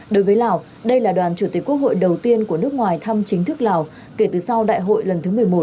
đối với lào đây là đoàn chủ tịch quốc hội đầu tiên của nước ngoài thăm chính thức lào kể từ sau đại hội lần thứ một mươi một